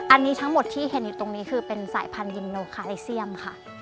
อันนี้ทั้งหมดที่เห็นอยู่ตรงนี้คือเป็นสายพันธยิมโนคาเลเซียมค่ะ